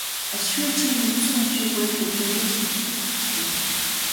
Ашгүй чи мэдсэн юм шиг хүрээд ирлээ гэж хэлэхэд л итгэжээ.